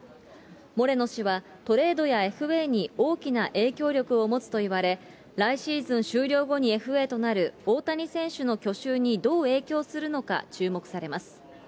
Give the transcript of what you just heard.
モレノ氏はトレードやＦＡに大きな影響力を持つといわれ、来シーズン終了後にＦＡとなる大谷選手の去就にどう影響するのか注目されます。